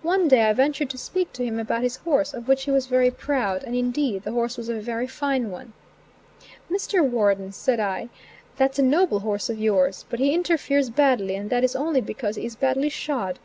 One day I ventured to speak to him about his horse, of which he was very proud, and indeed the horse was a very fine one. Mr. Warden, said I "that's a noble horse of yours; but he interferes badly, and that is only because he is badly shod.